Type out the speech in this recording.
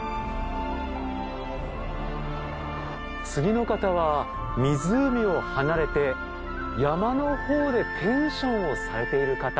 次の方は湖を離れて山のほうでペンションをされている方。